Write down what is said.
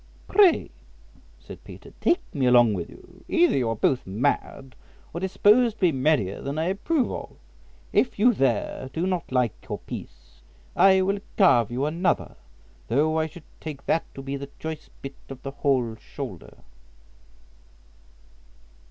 "Pray," said Peter, "take me along with you, either you are both mad, or disposed to be merrier than I approve of; if you there do not like your piece, I will carve you another, though I should take that to be the choice bit of the whole shoulder."